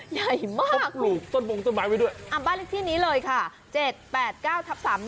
ใหญ่มากเลยอ่ะบ้านลึกที่นี้เลยค่ะ๗๘๙๓๑